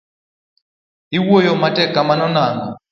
iwuoyo matek kamano nang'o?